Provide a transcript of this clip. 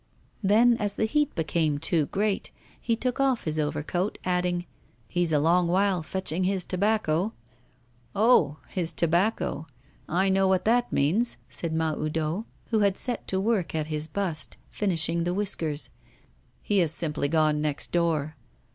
Then, as the heat became too great, he took off his over coat, adding: 'He's a long while fetching his tobacco.' 'Oh! his tobacco! I know what that means,' said Mahoudeau, who had set to work at his bust, finishing the whiskers; 'he has simply gone next door.